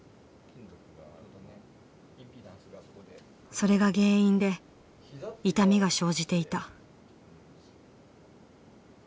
それが原因で痛みが生じていた。